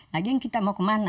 lagi kita mau kemana